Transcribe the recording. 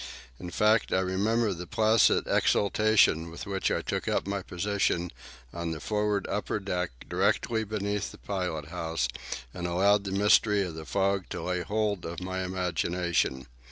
In fact, I remember the placid exaltation with which I took up my position on the forward upper deck, directly beneath the pilot house, and allowed the mystery of the fog to lay hold of my imagination.